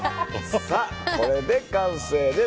これで完成です。